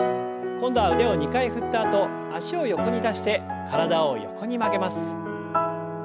今度は腕を２回振ったあと脚を横に出して体を横に曲げます。